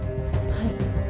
はい。